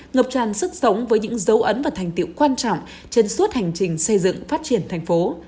ngập tràn sức sống với những dấu ấn và thành tiệu quan trọng trên suốt hành trình xây dựng phát triển thành phố